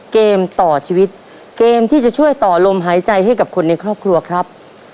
เกมต่อชีวิตเกมที่จะช่วยต่อลมหายใจให้กับคนในครอบครัวครับ